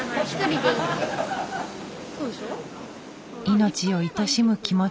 命をいとしむ気持ち。